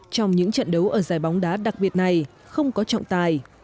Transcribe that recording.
trong những trận đấu ở giải bóng đá đặc biệt này không có trọng tài